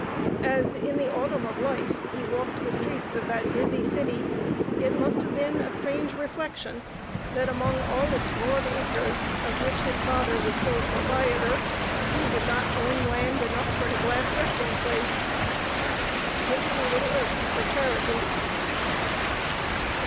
As, in the autumn of life, he walked the streets of that busy city, it must have been a strange reflection that among all its broad acres of which his father was sole proprietor, he did not own land enough for his last resting place. "Give him a little earth for charity!"